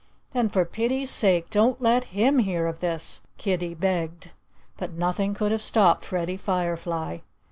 "Then for pity's sake, don't let him hear of this!" Kiddie begged. But nothing could have stopped Freddie Firefly.